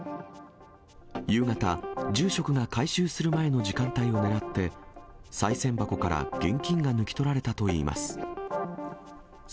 夕方、住職が回収する前の時間帯を狙って、さい銭箱から現金が抜き取られたといいます。